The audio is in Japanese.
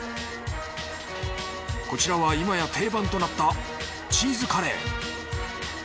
こちらは今や定番となったチーズカレー。